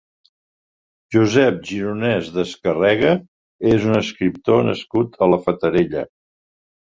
Josep Gironès Descarrega és un escriptor nascut a la Fatarella.